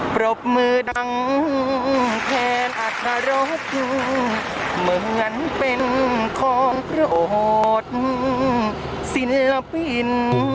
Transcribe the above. ปรบมือดังแทนอธรรมเหมือนเป็นของโรธศิลปิน